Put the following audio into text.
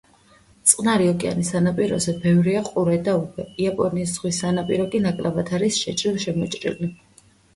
წყნარი ოკეანის სანაპიროზე ბევრია ყურე და უბე; იაპონიის ზღვის სანაპირო კი ნაკლებად არის შეჭრილ-შემოჭრილი.